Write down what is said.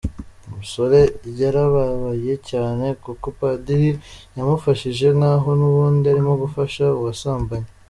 Umusore yarababaye cyane kuko padiri yamufashije nk’aho n’ubundi arimo gufasha uwasambanye.